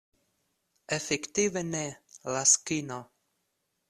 Efektive, ne, Laskino.